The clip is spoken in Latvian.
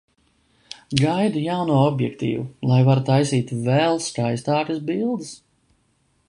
Gaidu jauno objektīvu, lai varu taisīt vēl skaistākas bildes.